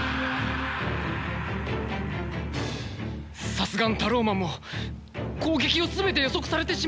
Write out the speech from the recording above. さすがのタローマンも攻撃を全て予測されてしまっては。